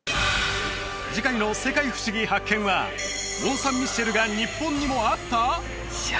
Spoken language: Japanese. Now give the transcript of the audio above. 次回の「世界ふしぎ発見！」はモン・サン・ミッシェルが日本にもあった！？